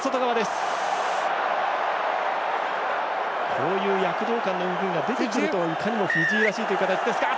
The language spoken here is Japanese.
こういう躍動感の動きが出てくるといかにもフィジーらしいという形ですが。